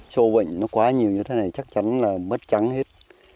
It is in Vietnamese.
sâu bệnh nó quá nhiều như thế này chắc chắn là mất trắng hết